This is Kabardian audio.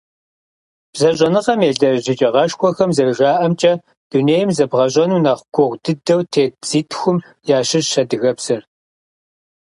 БзэщӀэныгъэм елэжь еджагъэшхуэхэм зэрыжаӀэмкӀэ, дунейм зэбгъэщӀэну нэхъ гугъу дыдэу тет бзитхум ящыщщ адыгэбзэр.